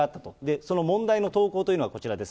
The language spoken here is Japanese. その問題の投稿というのがこちらです。